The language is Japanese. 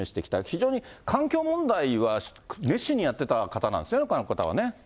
非常に環境問題は、熱心にやってた方なんですよね、この方はね。